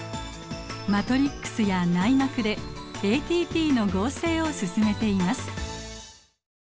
マトリックスや内膜でＡＴＰの合成を進めています。